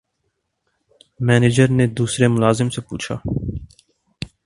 manager نے دوسرے ملازم سے پوچھا